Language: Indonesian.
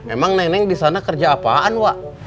emang nenek di sana kerja apaan wak